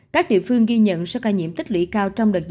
các địa phương ghi nhận số ca nhiễm tăng cao nhất so với ngày trước đó